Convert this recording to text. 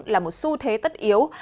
là một xu thế tất yếu